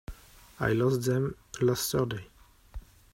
I lost them last Thursday.